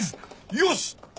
よし